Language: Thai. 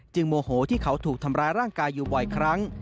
โมโหที่เขาถูกทำร้ายร่างกายอยู่บ่อยครั้ง